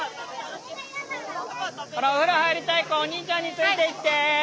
ほらお風呂入りたい子おにいちゃんについていって。